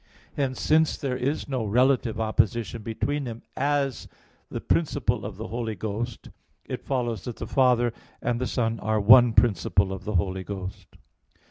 Hence since there is no relative opposition between them as the principle of the Holy Ghost it follows that the Father and the Son are one principle of the Holy Ghost.